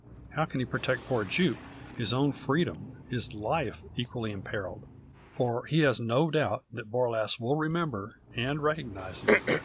How can he protect poor Jupe, his own freedom his life equally imperilled? For he has no doubt but that Borlasse will remember, and recognise, him.